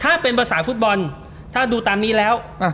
ถ้าเป็นภาษาฟุตบอลถ้าดูตามนี้แล้ว